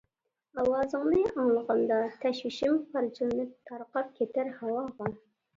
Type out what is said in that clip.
ئاۋازىڭنى ئاڭلىغاندا تەشۋىشىم، پارچىلىنىپ تارقاپ كېتەر ھاۋاغا.